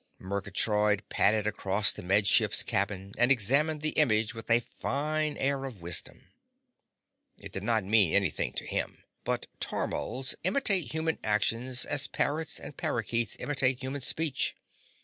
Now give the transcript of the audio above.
Murgatroyd padded across the Med Ship's cabin and examined the image with a fine air of wisdom. It did not mean anything to him, but tormals imitate human actions as parrots and parrakeets imitate human speech.